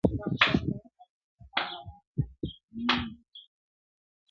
هغه مي سرې سترگي زغملای نسي,